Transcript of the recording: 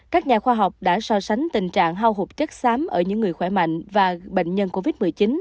các nhà khoa học đã so sánh tình trạng hao hụt chất xám ở những người khỏe mạnh và bệnh nhân covid một mươi chín